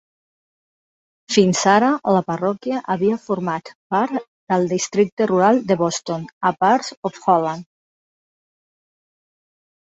Fins ara, la parròquia havia format part del districte rural de Boston, a Parts of Holland.